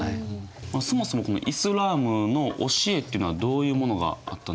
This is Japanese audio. そもそもイスラームの教えっていうのはどういうものがあったんですか？